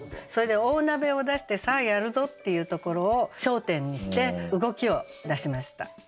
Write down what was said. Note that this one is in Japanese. それで大鍋を出して「さあやるぞ！」っていうところを焦点にして動きを出しました。